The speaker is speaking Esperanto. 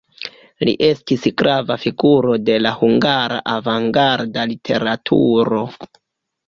Li estis grava figuro de la hungara avangarda literaturo.